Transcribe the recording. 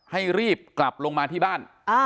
ให้รีบกลับลงมาที่บ้าน